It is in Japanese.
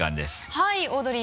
はい。